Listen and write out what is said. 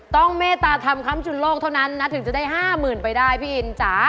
เมตตาธรรมคำจุนโลกเท่านั้นนะถึงจะได้๕๐๐๐ไปได้พี่อินจ๋า